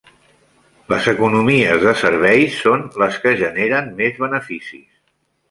Les economies de serveis són les que generen més beneficis.